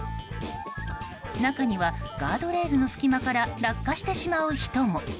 中にはガードレールの隙間から落下してしまう人も。